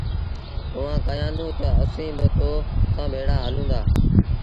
اُئآݩٚ ڪهيآندونٚ تا، ”اسيٚݩٚ با تو سآݩٚ ڀيڙآ هلونٚ دآ۔